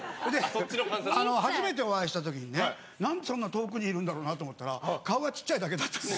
初めてお会いした時に何でそんな遠くにいるんだろうなと思ったら顔が小さいだけだったんです。